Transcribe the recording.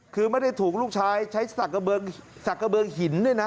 คือไม่ได้ถูกลูกชายใช้สักกระเบิงหินด้วยนะ